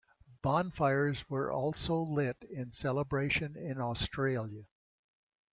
Bonfires were also lit in celebration in Australia.